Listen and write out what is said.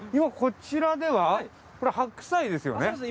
こちらではこれ白菜ですよね？